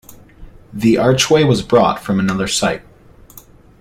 The archway was brought from another site.